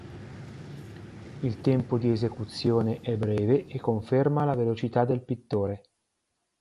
Il tempo di esecuzione è breve e conferma la velocità del pittore.